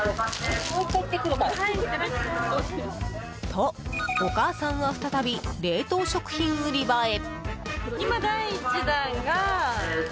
と、お母さんは再び冷凍食品売り場へ。